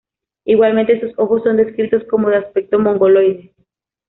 Igualmente sus ojos son descritos como de aspecto mongoloide.